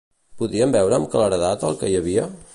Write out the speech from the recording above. Podien veure amb claredat el que hi havia?